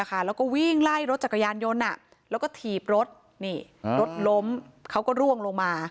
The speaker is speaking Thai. แล้วก็วิ่งไล่รถจักรยานยนต์แล้วก็ถีบรถรถล้มเขาก็ร่วงลงมา